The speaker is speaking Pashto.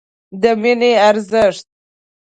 د مینې ارزښت